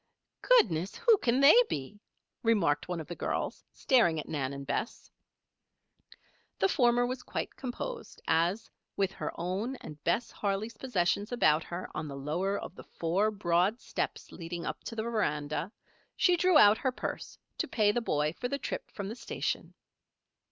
"Goodness! who can they be?" remarked one of the girls, staring at Nan and Bess. The former was quite composed as, with her own and Bess Harley's possessions about her on the lower of the four broad steps leading up to the veranda, she drew out her purse to pay the boy for the trip from the station.